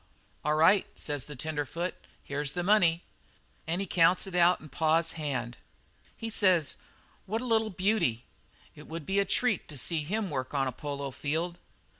"'All right,' says the tenderfoot, 'here's the money.' "And he counts it out in pa's hand. "He says: 'What a little beauty! It would be a treat to see him work on a polo field.'